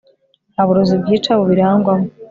nta burozi bwica bubirangwamo